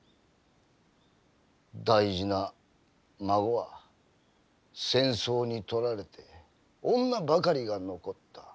大事な孫は戦争に取られて女ばかりが残った。